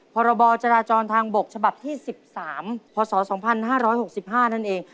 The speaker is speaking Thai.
พรบจราจรทางบกฉบับที่๑๓พศ๒๕๖๕นั่นเอง